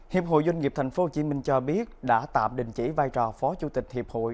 hiệp hội doanh nghiệp tp hcm cho biết đã tạm đình chỉ vai trò phó chủ tịch hiệp hội